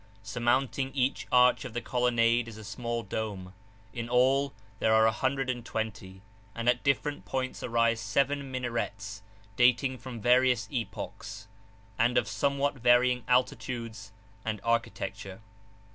Surmounting each arch of the colonnade is a small dome: in all there are a hundred and twenty, and at different points arise seven minarets, dating from various epochs, and of somewhat varying altitudes and architecture.